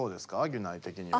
ギュナイ的には。